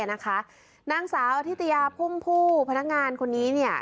นางสาวอธิตยาพุ่มผู้พนักงานคนนี้เนี่ย